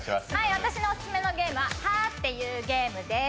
私のオススメのゲームは「はぁって言うゲーム」です。